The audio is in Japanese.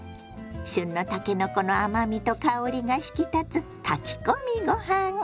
旬のたけのこの甘みと香りが引き立つ炊き込みご飯。